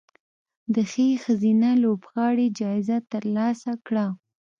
د ښې ښځینه لوبغاړې جایزه ترلاسه کړه